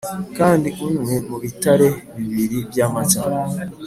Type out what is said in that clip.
kandi unywe mu bitare bibiri byamata,